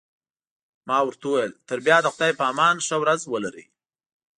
ما ورته وویل: تر بیا د خدای په امان، ښه ورځ ولرئ.